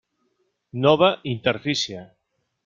Nova interfície.